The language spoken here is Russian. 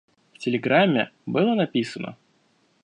В телеграмме было написано: